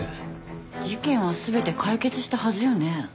事件は全て解決したはずよね。